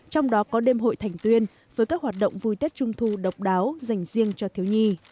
trong đó có đêm hội thành tuyên với các hoạt động vui tết trung thu độc đáo dành riêng cho thiếu nhi